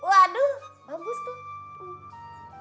waduh bagus tuh